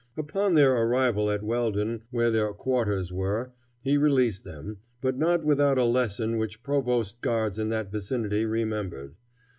Upon their arrival at Weldon, where their quarters were, he released them, but not without a lesson which provost guards in that vicinity remembered.